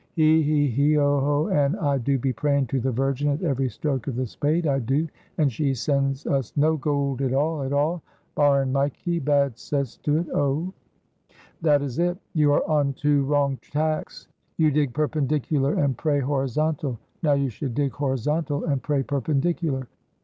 He! he! he! oh! oh! An' I do be praying to the Virgin at every stroke of the spade, I do, and she sends us no gould at all at all, barrin' mikee, bad cess to 't. Oh!" "That is it. You are on two wrong tacks. You dig perpendicular and pray horizontal. Now you should dig horizontal and pray perpendicular."